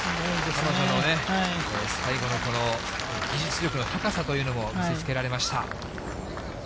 彼女の最後のこの技術力の高さというのも見せつけられました。